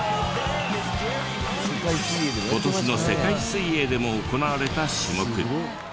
今年の世界水泳でも行われた種目。